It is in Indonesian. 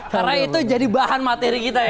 karena itu jadi bahan materi kita ya